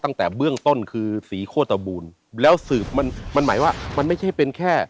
ตั้งแต่เบื้องต้นคือศรีโฆตบูรณ์แล้วสืบมันมันหมายว่ามันไม่ใช่เป็นแค่